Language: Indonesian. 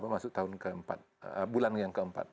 masuk bulan yang keempat